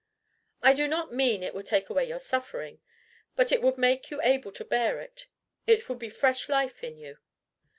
"I do not mean it would take away your suffering; but it would make you able to bear it. It would be fresh life in you."